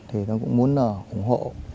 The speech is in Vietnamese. thì tôi cũng muốn ủng hộ